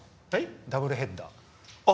ダブルヘッダー。